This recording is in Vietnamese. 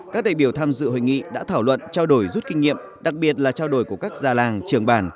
các đại biểu tham dự hội nghị đã thảo luận trao đổi rút kinh nghiệm đặc biệt là trao đổi của các già làng trường bản